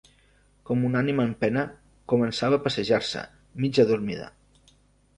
Com una ànima en pena, començava a passejar-se, mig adormida